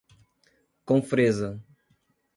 Confresa